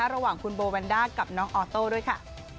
ระหว่างคุณโบแวนด้ากับน้องออโต้ด้วยค่ะ